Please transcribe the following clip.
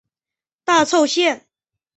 大凑线。